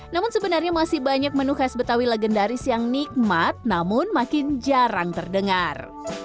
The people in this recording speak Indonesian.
namun sebenarnya masih banyak menu khas betawi legendaris yang nikmat namun makin jarang terdengar